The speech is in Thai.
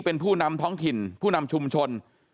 เป็นผู้นำท้องถิ่นผู้นำชุมชน